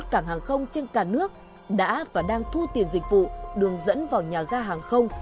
hai mươi một cảng hàng không trên cả nước đã và đang thu tiền dịch vụ đường dẫn vào nhà ga hàng không